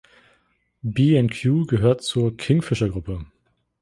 B&Q gehört zur Kingfisher-Gruppe.